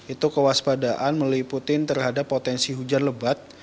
itu kewaspadaan meliputin terhadap potensi hujan lebat